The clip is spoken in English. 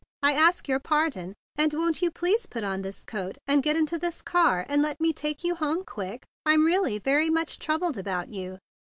I ask your pardon, and won't you please put on this coat, and get into this car, and let me take you home quick? I'm really very much troubled about you."